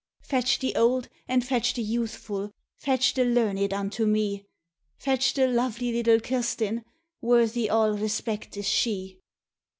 "Fetch the old, and fetch the youthful, Fetch the learned unto me; Fetch the lovely little Kirstine, Worthy all respect is she.